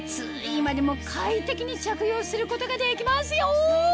今でも快適に着用することができますよ！